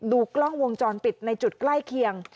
ดูกล้องวงจรปิดในจุดใกล้เคียง